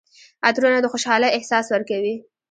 عطرونه د خوشحالۍ احساس ورکوي.